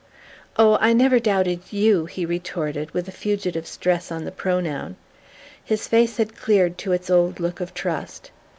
"Oh, I never doubted YOU!" he retorted, with a fugitive stress on the pronoun. His face had cleared to its old look of trust.